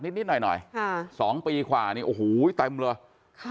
นิดนิดหน่อยหน่อยค่ะสองปีกว่านี่โอ้โหเต็มเลยค่ะ